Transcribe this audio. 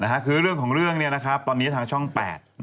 นี่ค่ะคือเรื่องของเรื่องตอนนี้ขังช่องแปด